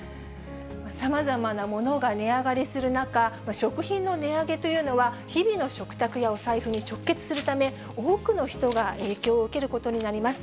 さまざまなものが値上がりする中、食品の値上げというのは、日々の食卓やお財布に直結するため、多くの人が影響を受けることになります。